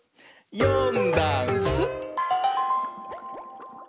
「よんだんす」